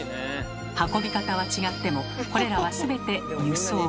運び方は違ってもこれらは全て「輸送」。